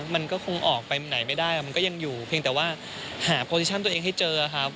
มันก็คงออกไปไหนไม่ได้มันก็ยังอยู่เพียงแต่ว่าหาโปรดิชั่นตัวเองให้เจอครับ